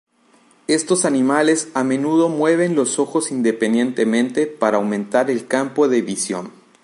Estos animales, a menudo mueven los ojos independientemente para aumentar el campo de visión.